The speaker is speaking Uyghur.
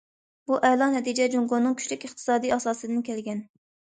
بۇ ئەلا نەتىجە جۇڭگونىڭ كۈچلۈك ئىقتىسادىي ئاساسىدىن كەلگەن.